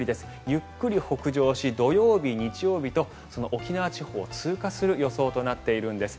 ゆっくり北上し土曜日、日曜日と沖縄地方を通過する予報となっているんです。